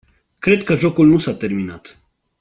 Cred că jocul nu s-a terminat.